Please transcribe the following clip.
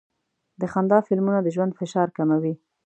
د خندا فلمونه د ژوند فشار کموي.